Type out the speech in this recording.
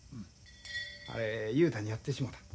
あれ雄太にやってしもうた。